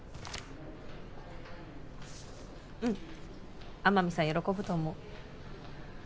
うん天海さん喜ぶと思う